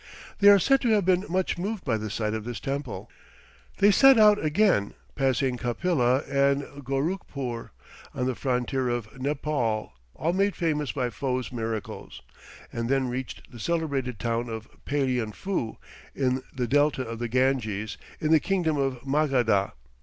They are said to have been much moved by the sight of this temple. They set out again, passing Kapila and Goruckpoor, on the frontier of Nepaul, all made famous by Fo's miracles, and then reached the celebrated town of Palian foo, in the delta of the Ganges, in the kingdom of Magadha.